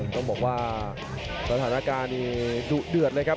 ต้องบอกว่าสถานการณ์นี้ดุเดือดเลยครับ